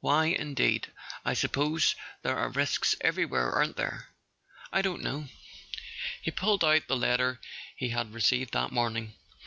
"Why, indeed? I suppose there are risks every¬ where, aren't there?" "I don't know." He pulled out the letter he had re¬ ceived that morning.